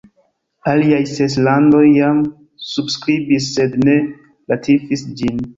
Aliaj ses landoj jam subskribis sed ne ratifis ĝin.